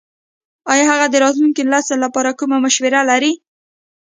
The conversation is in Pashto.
ایا هغه د راتلونکي نسل لپاره کومه مشوره لري ?